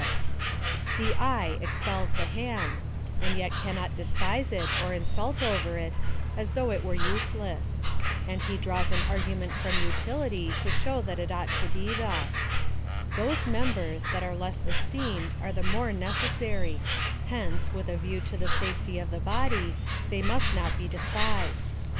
411 The eye excels the hand, and yet cannot despise it, or insult over it, as though it were useless ; and he draws an argu ment from utility, to show that it ought to be thus —" Those members, that are less esteemed, are the more necessary : hence, with a view to the safety of the body, they must not be desiDised."